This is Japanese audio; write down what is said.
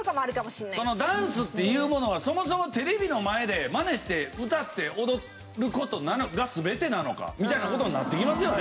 ダンスっていうものがそもそもテレビの前でマネして歌って踊る事が全てなのかみたいな事になってきますよね。